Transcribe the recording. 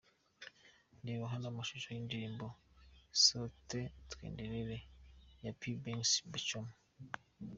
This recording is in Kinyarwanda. Reba hano amashusho y'indirimbo 'Sote twendelee' ya P Benks Kachoma.